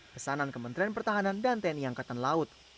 pesanan kementerian pertahanan dan tni angkatan laut